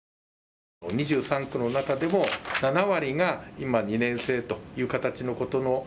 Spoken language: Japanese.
２３区の中でも７割が今２年制という形のこと。